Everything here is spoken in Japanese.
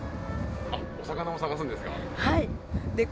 あっお魚も探すんですか？